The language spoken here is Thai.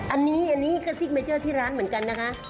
อันนี้ก็สิกเจอร์ที่ร้านเหมือนกันนะคะ